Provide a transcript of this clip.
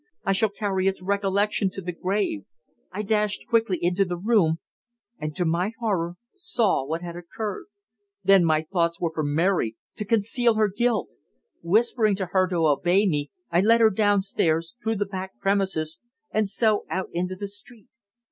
I shall carry its recollection to the grave. I dashed quickly into the room, and to my horror saw what had occurred. Then my thoughts were for Mary to conceal her guilt. Whispering to her to obey me I led her downstairs, through the back premises, and so out into the street.